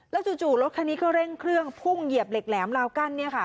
จู่รถคันนี้ก็เร่งเครื่องพุ่งเหยียบเหล็กแหลมลาวกั้น